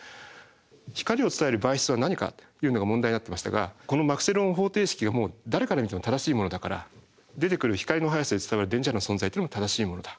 光を伝える媒質は何かというのが問題になってましたがこのマクスウェルの方程式が誰から見ても正しいものだから出てくる光の速さで伝わる電磁波の存在っていうのも正しいものだ。